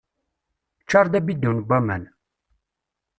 Ččar-d abidun n waman.